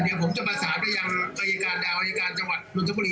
เดี๋ยวผมจะมาสามารถไปยังอายการดาวอายการจังหวัดนวลสมบูรี